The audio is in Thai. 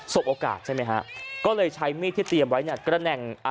บโอกาสใช่ไหมฮะก็เลยใช้มีดที่เตรียมไว้เนี่ยกระแหน่งอ่า